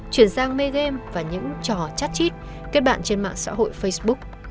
chuyển sang mê game và những trò chat chít kết bạn trên mạng xã hội facebook